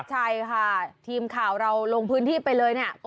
ใช่ค่ะทีมข่าวเราลงพื้นที่ไปเลยเนี่ย